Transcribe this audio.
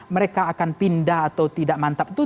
mereka akan pindah atau tidak mantap itu